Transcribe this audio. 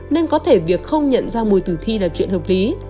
nên có thể việc không nhận ra mùi tử thi là chuyện hợp lý